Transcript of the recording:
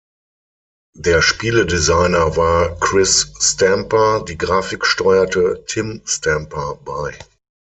Der Spieledesigner war Chris Stamper, die Grafik steuerte Tim Stamper bei.